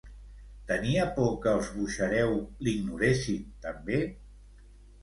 Tenia por que els Buxareu l'ignoressin també?